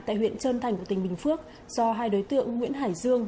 tại huyện trơn thành của tỉnh bình phước do hai đối tượng nguyễn hải dương